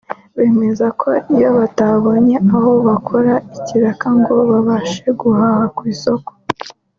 Bemeza ko iyo batabonye aho bakora ikiraka ngo babashe guhaha ku isoko